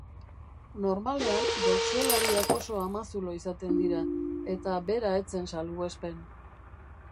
Normalean, boxeolariak oso amazulo izaten dira, eta bera ez zen salbuespen.